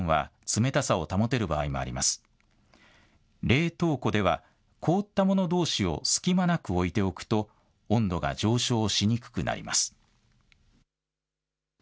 冷凍庫では凍ったものどうしを隙間なく置いておくと温度が上昇しにくくなります。